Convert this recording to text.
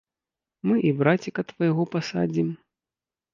Мы і браціка твайго пасадзім.